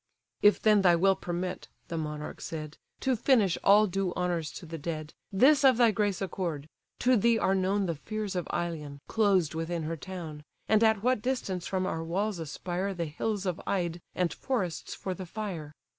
"If then thy will permit (the monarch said) To finish all due honours to the dead, This of thy grace accord: to thee are known The fears of Ilion, closed within her town; And at what distance from our walls aspire The hills of Ide, and forests for the fire.